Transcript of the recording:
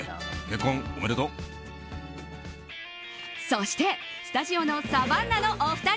そして、スタジオのサバンナのお二人。